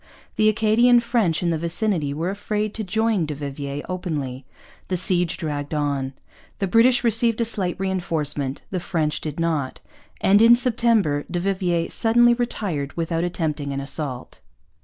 The Acadian French in the vicinity were afraid to join du Vivier openly. The siege dragged on. The British received a slight reinforcement. The French did not. And in September du Vivier suddenly retired without attempting an assault.